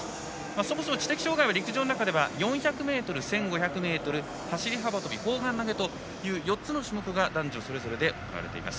そもそも知的障がいは陸上の中では４００ｍ、１５００ｍ走り幅跳び、砲丸投げという４つの種目が男女それぞれで行われています。